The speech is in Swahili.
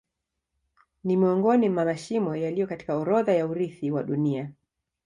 Ni miongoni mwa mashimo yaliyo katika orodha ya urithi wa Dunia.